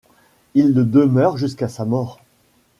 Il le demeure jusqu'à sa mort.